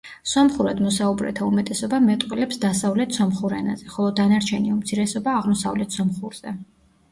სომხურად მოსაუბრეთა უმეტესობა მეტყველებს დასავლეთ სომხურ ენაზე, ხოლო დანარჩენი უმცირესობა აღმოსავლეთ სომხურზე.